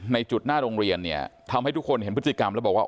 ในจุดหน้าโรงเรียนเนี่ยทำให้ทุกคนเห็นพฤติกรรมแล้วบอกว่า